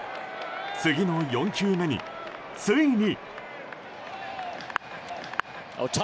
次の４球目に、ついに。